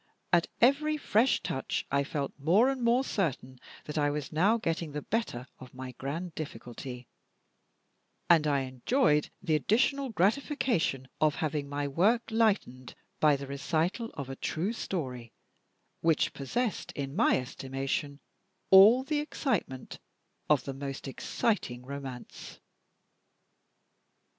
At every fresh touch I felt more and more certain that I was now getting the better of my grand difficulty; and I enjoyed the additional gratification of having my work lightened by the recital of a true story, which possessed, in my estimation, all the excitement of the most exciting romance.